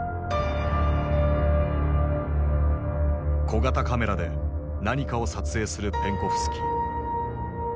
小型カメラで何かを撮影するペンコフスキー。